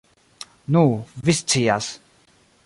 Nu, vi scias.